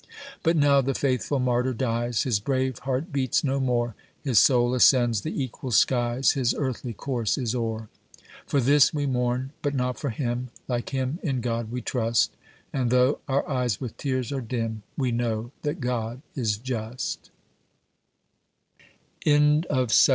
But now the faithful martyr dies, His brave heart beats no more, His soul ascends the equal skies, His earthly course is o'er. For this we mourn, but not for him,— Like him in God we trust ; And though our eyes with tears are dim, We know that God is just.